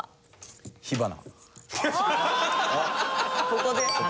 ここで？